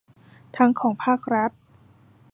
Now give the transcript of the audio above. ทั้งของภาครัฐ